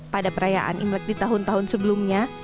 pada perayaan imlek di tahun tahun sebelumnya